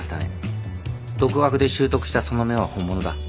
独学で習得したその目は本物だ。